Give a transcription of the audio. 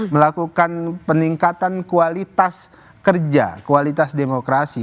melakukan peningkatan kualitas kerja kualitas demokrasi